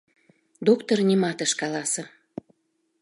Доктыр нимат ыш каласе.